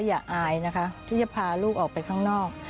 อายนะคะที่จะพาลูกออกไปข้างนอก